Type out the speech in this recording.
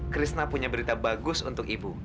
krisna punya berita bagus untuk ibu